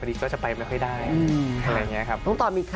คุณผู้ชมไม่เจนเลยค่ะถ้าลูกคุณออกมาได้มั้ยคะ